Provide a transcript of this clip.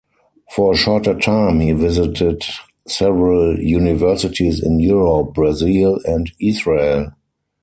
For a shorter time, he visited several universities in Europe, Brazil and Israel.